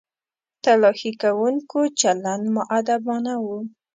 تلاښي کوونکو چلند مؤدبانه و.